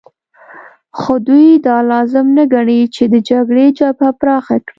خو دوی دا لازم نه ګڼي چې د جګړې جبهه پراخه کړي